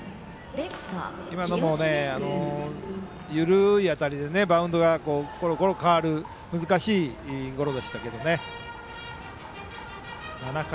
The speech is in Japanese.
今のも、緩い当たりでバウンドがころころ変わる難しいゴロでしたけどね。